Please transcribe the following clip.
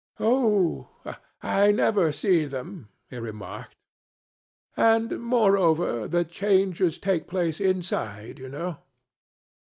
'Oh, I never see them,' he remarked; 'and, moreover, the changes take place inside, you know.'